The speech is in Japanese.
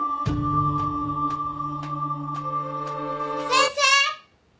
・先生！